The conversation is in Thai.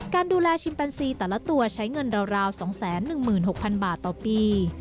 การดูแลชิมแปนซีแต่ละตัวใช้เงินราว๒๑๖๐๐๐บาทต่อปี